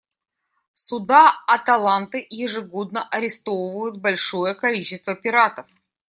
Суда «Аталанты» ежегодно арестовывают большое количество пиратов.